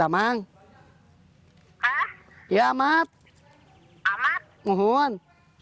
rahmat mengucapkan selat madura dengan berat